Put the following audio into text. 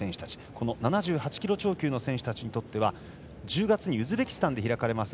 この７８キロ級超級の選手たちにとっては１０月にウズベキスタンで開かれます